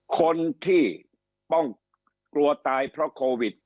คนที่ต้องกลัวตายเพราะโควิด